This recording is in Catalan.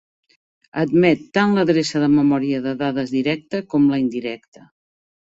Admet tant l'adreça de memòria de dades directa com la indirecta.